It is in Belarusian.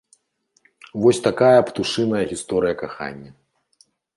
Вось такая птушыная гісторыя кахання.